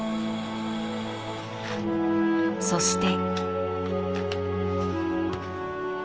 そして。